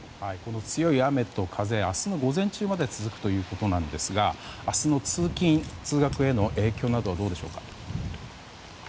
強い雨と風明日の午前中まで続くということなんですが明日の通勤・通学への影響などはどうでしょうか？